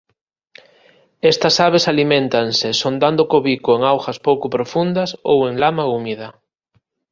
Estas aves aliméntanse sondando co bico en augas pouco profundas ou en lama húmida.